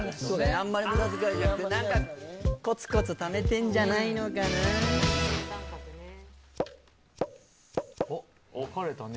あんまり無駄遣いじゃなくて何かコツコツ貯めてんじゃないのかなおっ分かれたね